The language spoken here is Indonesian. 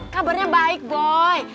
kabarnya baik boy